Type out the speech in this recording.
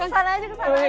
yang pambil enak tuh